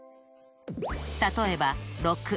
例えば６。